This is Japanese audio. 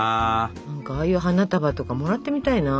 ああいう花束とかもらってみたいな。